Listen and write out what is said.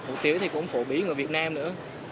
em thấy món hủ tiếu thì cũng phổ bí người việt nam nữa